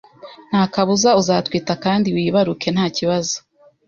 ntakabuza uzatwita kandi wibaruke ntakibazo